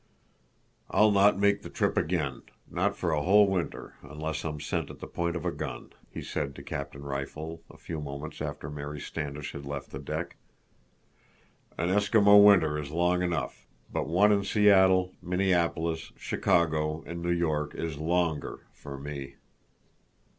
"I'll not make the trip again—not for a whole winter—unless I'm sent at the point of a gun," he said to Captain Rifle, a few moments after Mary Standish had left the deck. "An Eskimo winter is long enough, but one in Seattle, Minneapolis, Chicago, and New York is longer—for me."